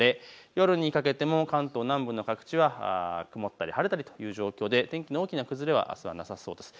夜にかけても関東南部の各地は曇ったり晴れたりという状況で天気の大きな崩れはあすはなさそうです。